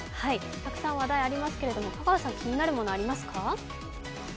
たくさん話題ありますけど、香川さん、気になるものありますか？